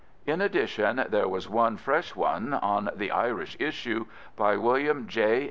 In addition, there was one fresh one on "The Irish Issue," by William J.